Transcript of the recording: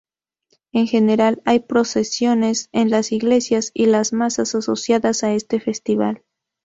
En general, hay procesiones en las iglesias y las masas asociadas a este festival.